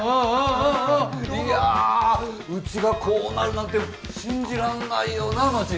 いやうちがこうなるなんて信じらんないよなっ万智。